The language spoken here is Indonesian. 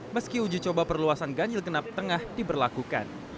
meski uji coba perluasan ganjil genap tengah diberlakukan